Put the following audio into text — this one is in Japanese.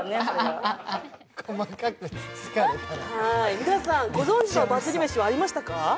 皆さんご存じのバズりめしはありましたか？